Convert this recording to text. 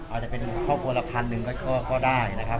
อาจจะเป็นครอบครัวละพันหนึ่งก็ได้นะครับ